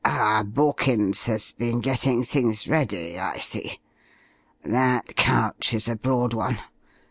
Ah, Borkins has been getting things ready, I see. That couch is a broad one.